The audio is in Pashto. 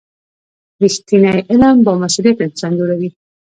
رښتینی علم بامسؤلیته انسان جوړوي.